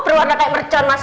berwarna kayak mercon mas